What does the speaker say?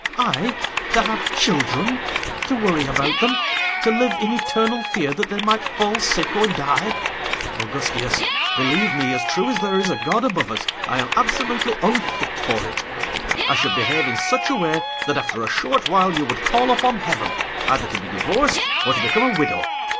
I to have children? To worry about them? To live in eternal fear that they might fall sick or die? Augustias, believe me, as true as there is a God above us, I am absolutely unfit for it! I should behave in such a way that after a short while you would call upon heaven either to be divorced or to become a widow.